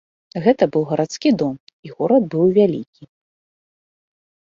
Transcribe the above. Гэта быў гарадскі дом, і горад быў вялікі.